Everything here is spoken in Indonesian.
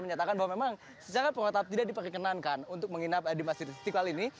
menyatakan bahwa memang secara pro tidak diperkenankan untuk menginap di masjid istiqlal ini